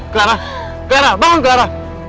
clara clara bangun clara